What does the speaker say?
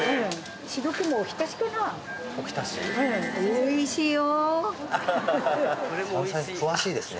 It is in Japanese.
おいしいよ！